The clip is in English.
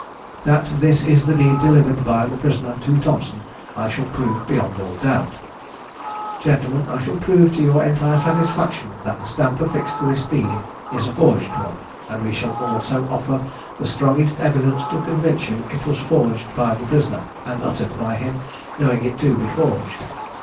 That this is the deed delivered by the prisoner to Thompson, I shall prove beyond all doubt. Gentlemen, I shall prove to your entire satisfaction, that the stamp affixed to this deed is a forged one, and we shall also offer the strongest evidence to convince you it was forged by the prisoner, and uttered by him, knowing it to be forged.